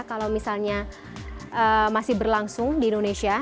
kalau misalnya masih berlangsung di indonesia